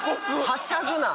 「はしゃぐな！」